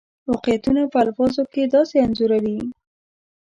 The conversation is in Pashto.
واقعیتونه په الفاظو کې داسې انځوروي.